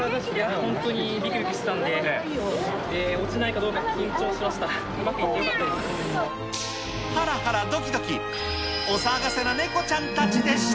本当にびくびくしてたんで、落ちないかどうか緊張してました。